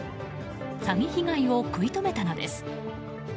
詐欺被害を食い止めたのです。